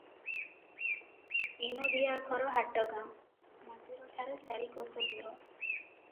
ବିନୋଦିଆ ଘର ହାଟଗାଁ, ମନ୍ଦିର ଠାରୁ ଚାରି କୋଶ ଦୂର ।